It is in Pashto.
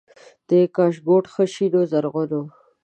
کاشکوټ ښه شین و زرغون و